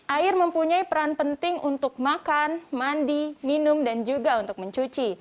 air mempunyai peran penting untuk makan mandi minum dan juga untuk mencuci